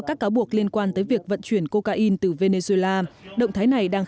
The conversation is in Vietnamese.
các cáo buộc liên quan tới việc vận chuyển coca in từ venezuela động thái này đang